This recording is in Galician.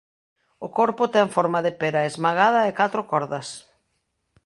O corpo ten forma de pera esmagada e catro cordas.